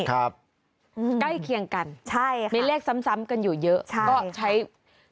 ใกล้เคียงกันไม่เลขซ้ำกันอยู่เยอะก็ใช้ความสามารถส่วนบุคคล